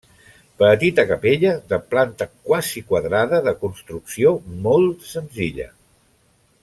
Petita capella de planta quasi quadrada de construcció molt senzilla.